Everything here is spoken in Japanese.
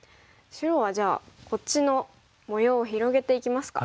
白はじゃあこっちの模様を広げていきますか。